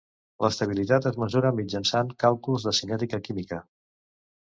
L'estabilitat es mesura mitjançant càlculs de cinètica química.